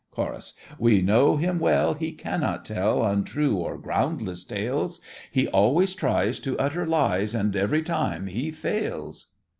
CHORUS. We know him well, He cannot tell Untrue or groundless tales— He always tries To utter lies, And every time he fails.